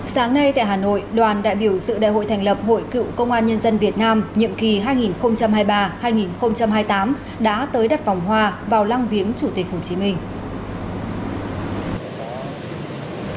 sáng nay tại hà nội đoàn đại biểu dự đại hội thành lập hội cựu công an nhân dân việt nam nhiệm kỳ hai nghìn hai mươi ba hai nghìn hai mươi tám đã tới đặt vòng hoa vào lăng viếng chủ tịch hồ chí minh